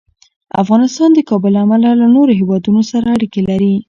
افغانستان د کابل له امله له نورو هېوادونو سره اړیکې لري.